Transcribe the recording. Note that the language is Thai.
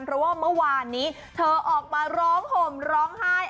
เพราะว่าเมื่อวานนี้เธอออกมาร้องห่มร้องไห้